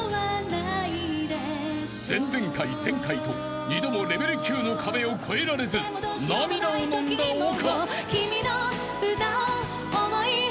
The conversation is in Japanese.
［前々回前回と２度もレベル９の壁を越えられず涙をのんだ丘］